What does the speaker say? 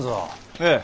ええ。